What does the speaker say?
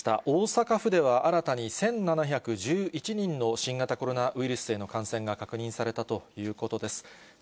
大阪府では、新たに１７１１人の新型コロナウイルスへの感染が確認されたということです。